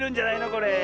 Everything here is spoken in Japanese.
これ。